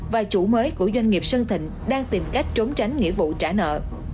và chủ mới của doanh nghiệp sơn thịnh đang tìm cách trốn tránh nghĩa vụ trả nợ